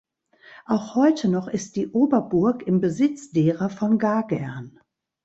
Auch heute noch ist die Oberburg im Besitz derer von Gagern.